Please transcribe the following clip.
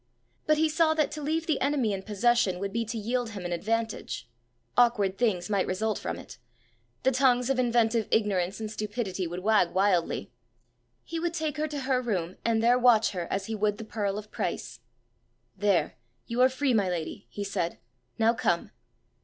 But he saw that to leave the enemy in possession would be to yield him an advantage. Awkward things might result from it! the tongues of inventive ignorance and stupidity would wag wildly! He would take her to her room, and there watch her as he would the pearl of price! "There! you are free, my lady," he said. "Now come."